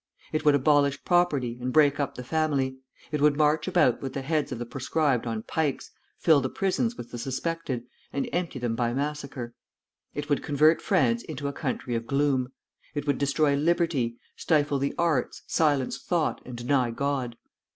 It would abolish property, and break up the family. It would march about with the heads of the proscribed on pikes, fill the prisons with the suspected, and empty them by massacre. It would convert France into a country of gloom. It would destroy liberty, stifle the arts, silence thought, and deny God.